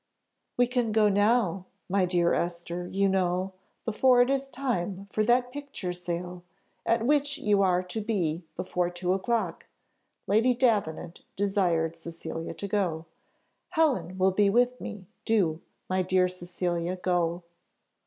"We can go now, my dear Esther, you know, before it is time for that picture sale, at which you are to be before two o'clock." Lady Davenant desired Cecilia to go. "Helen will be with me, do, my dear Cecilia, go."